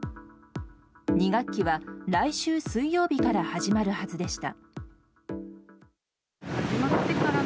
２学期は来週水曜日から始まるはずでした。